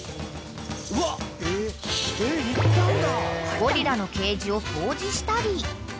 ［ゴリラのケージを掃除したり］